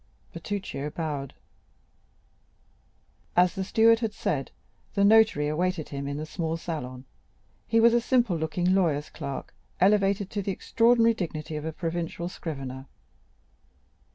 Bertuccio bowed. As the steward had said, the notary awaited him in the small salon. He was a simple looking lawyer's clerk, elevated to the extraordinary dignity of a provincial scrivener.